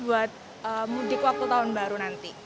buat mudik waktu tahun baru nanti